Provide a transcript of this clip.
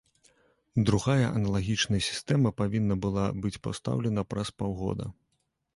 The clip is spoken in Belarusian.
Другая аналагічная сістэма павінна была быць пастаўлена праз паўгода.